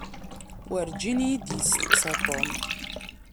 Werǧin iyi-d-isteqsa Tom.